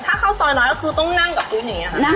ถ้าเขาสอยหน่อยแล้วคือต้องนั่งกับหุมเนี่ยค่ะ